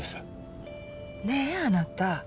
ねえあなた。